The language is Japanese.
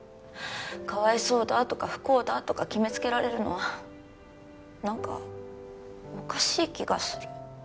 かわいそうだとか不幸だとか決めつけられるのはなんかおかしい気がする。